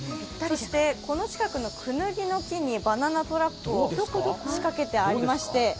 そしてこの近くのくぬぎの木にバナナトラップを仕掛けてあります